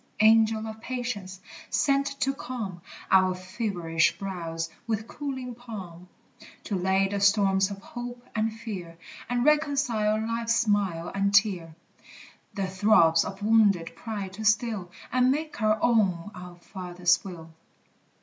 Angel of Patience! sent to calm Our feverish brows with cooling palm; To lay the storms of hope and fear, And reconcile life's smile and tear; The throbs of wounded pride to still, And make our own our Father's will!